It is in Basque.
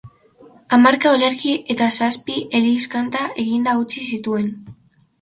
Hamarka olerki eta zazpi eliz-kanta eginda utzi zituen.